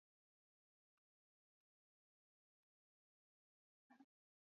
tisa tisini na tatu alipohitimu darasa la saba Nape ni kati ya wanafunzi watatu